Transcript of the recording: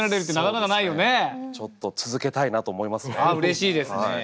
うれしいですね。